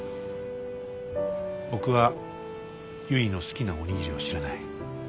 僕はゆいの好きなお握りを知らない。